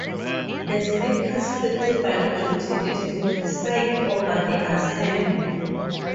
The Speaker's principal duty is to preside over the Assembly.